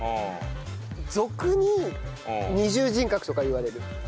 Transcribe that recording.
俗に二重人格とかいわれる。